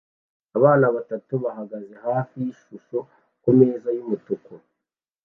Abana batatu bahagaze hafi yishusho kumeza yumutuku